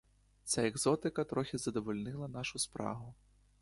Ця екзотика трохи задовольнила нашу спрагу.